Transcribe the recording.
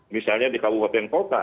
misalnya di kabupaten kota